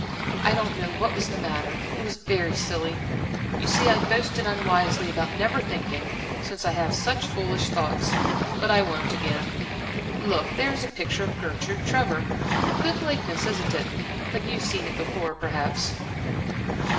"I don't know what was the matter it was very silly. You see I boasted unwisely about never thinking, since I have such foolish thoughts; but I won't again. Look, there is a picture of Gertrude Trevor. A good likeness, isn't it? But you've seen it before, perhaps?"